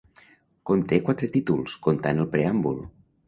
Conté quatre títols, contant el preàmbul.